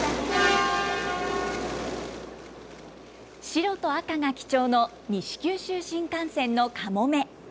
白と赤が基調の西九州新幹線のかもめ。